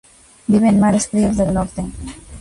Vive en mares fríos del norte.